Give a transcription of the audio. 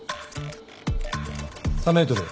３ｍ。